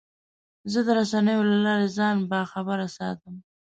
زه د رسنیو له لارې ځان باخبره ساتم.